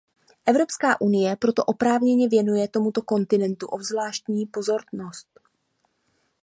Evropská unie proto oprávněně věnuje tomuto kontinentu obzvláštní pozornost.